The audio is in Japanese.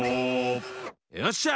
よっしゃ！